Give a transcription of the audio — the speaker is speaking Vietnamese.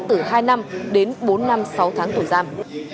từ hai năm đến bốn năm sáu tháng tù giam